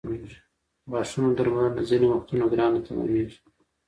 د غاښونو درملنه ځینې وختونه ګرانه تمامېږي.